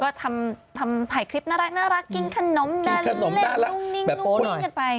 ก็ถ่ายคลิปน่ารักกินขนมดาลเนลนุ่งคุยกันไป